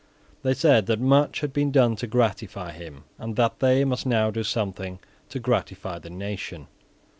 They said that much had been done to gratify him, and that they must now do something to gratify the nation.